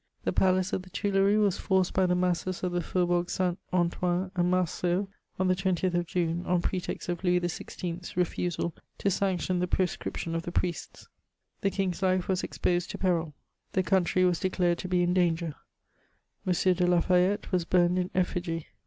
The palace of the Tuileries was forced by the masses of ihe faubourgs St. Antoine and Marceau on the 20th of June^ on pretext of Louis XVI.'s refusal to sanction the proscription of the priests ; the king's life was exposed to perlL The country was declared to be in danger. M. de Lafayette was burned in effigy.